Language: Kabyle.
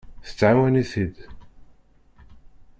Tettɛawan-it-id.